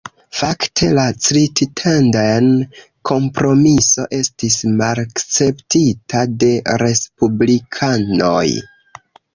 Fakte, la Crittenden-Kompromiso estis malakceptita de Respublikanoj.